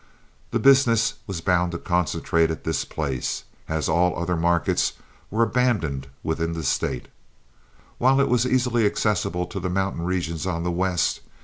The business was bound to concentrate at this place, as all other markets were abandoned within the State, while it was easily accessible to the mountain regions on the west.